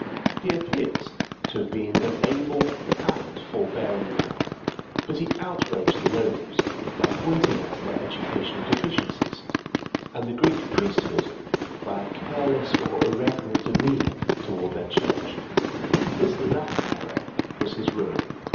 He appears to have been an able and forbearing man, but he outraged the nobles by pointing out their educational deficiencies, and the Greek priesthood by a careless or irreverent demeanour towards their Church. This latter error was his ruin.